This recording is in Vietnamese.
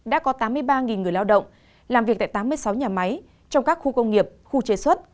đã có tám mươi ba người lao động làm việc tại tám mươi sáu nhà máy trong các khu công nghiệp khu chế xuất